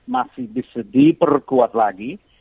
masih bisa diperkuat lagi